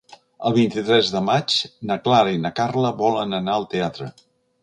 El vint-i-tres de maig na Clara i na Carla volen anar al teatre.